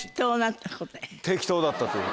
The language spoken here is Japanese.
適当だったという。